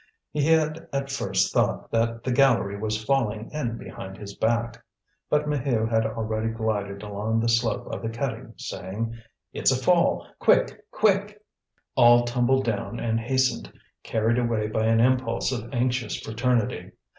He had at first thought that the gallery was falling in behind his back. But Maheu had already glided along the slope of the cutting, saying: "It's a fall! Quick, quick!" All tumbled down and hastened, carried away by an impulse of anxious fraternity.